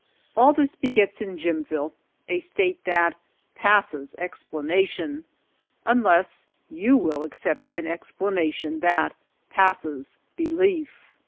All this begets in Jimville a .state that passes explanation unless you will accept an explanation that passes belief.